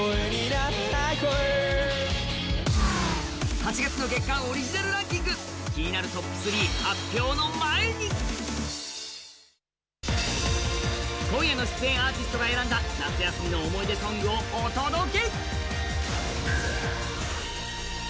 ８月の月間オリジナルランキング、気になるトップ３発表の前に今夜の出演アーティストが選んだ夏休みの思い出ソングをお届け。